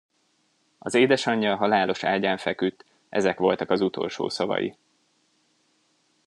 Az édesanyja halálos ágyán feküdt, ezek voltak az utolsó szavai.